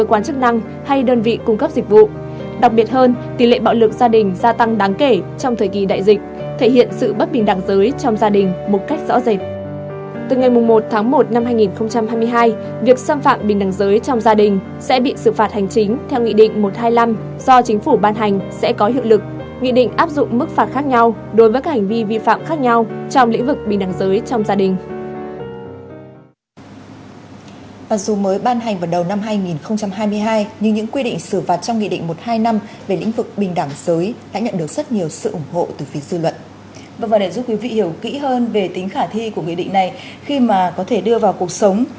và để giúp quý vị hiểu kỹ hơn về tính khả thi của nghị định này khi mà có thể đưa vào cuộc sống